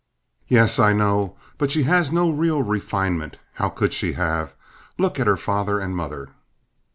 "Yes, I know; but she has no real refinement. How could she have? Look at her father and mother."